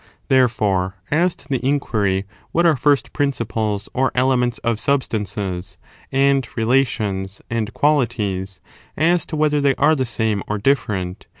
Therefore, as to the inquiry, what are first ^^ principles or elements of substances, and rela cidc the ques tions, and qualities, as to whether they are the J^en^ew or^ same or different?